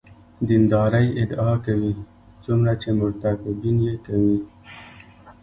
دیندارۍ ادعا کوي څومره چې مرتکبین یې کوي.